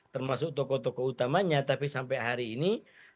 termasuk tokoh tokoh utamanya tapi sampai hari ini